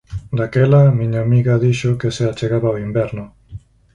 Daquela a miña amiga dixo que se achegaba o inverno.